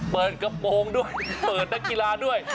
เปิดกระโปรงด้วยเปิดนักกีฬาด้วย